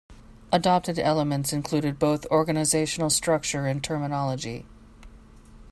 Adopted elements included both organizational structure and terminology.